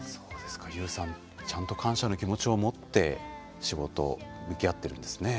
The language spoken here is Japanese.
ちゃんと感謝の気持ちを持って仕事、向き合ってるんですね。